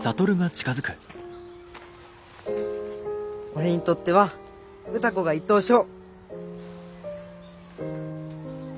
俺にとっては歌子が１等賞。